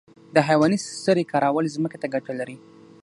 د حیواني سرې کارول ځمکې ته ګټه لري